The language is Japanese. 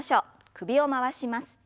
首を回します。